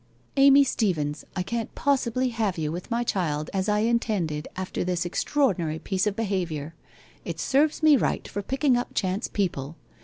"Amy Steevens, I can't possibly have you with my child as I had intended after this extraordinary piece of behaviour. It serves me right for picking up chance people.